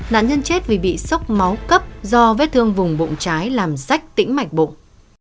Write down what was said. nạn nhân chết vì bị sốc máu cấp do vết thương vùng bụng trái làm rách tĩnh mạch bụng